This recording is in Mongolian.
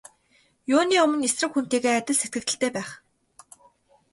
Юуны өмнө эсрэг хүнтэйгээ адил сэтгэгдэлтэй байх.